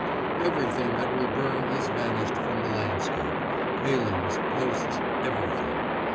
Everything that will burn has vanished from the landscape—palings, posts, everything.